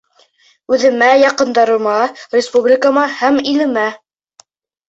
Үҙемә, яҡындарыма, республикама һәм илемә.